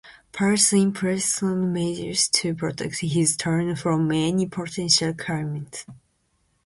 Perses imprisoned Medus to protect his throne from any potential claimants.